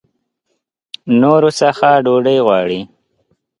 نورو څخه ډوډۍ غواړي.